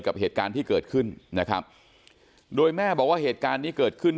กับเหตุการณ์ที่เกิดขึ้นนะครับโดยแม่บอกว่าเหตุการณ์นี้เกิดขึ้น